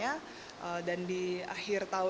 game ini sudah t jedya m